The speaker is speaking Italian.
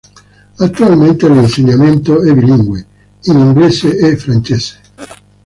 Attualmente l'insegnamento è bilingue, in inglese e francese.